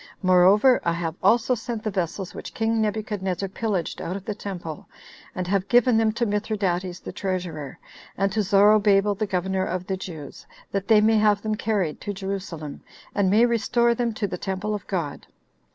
Moreover, I have also sent the vessels which king Nebuchadnezzar pillaged out of the temple, and have given them to Mithridates the treasurer, and to Zorobabel the governor of the Jews, that they may have them carried to Jerusalem, and may restore them to the temple of God.